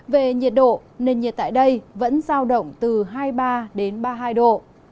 về nhiệt độ nền nhiệt tại đây vẫn giao động từ hai mươi ba đến ba mươi hai độ